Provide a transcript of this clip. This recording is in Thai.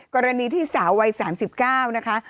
กรณีที่สาววัย๓๙นะคะ